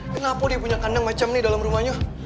kenapa dia punya kandang macam nih dalam rumahnya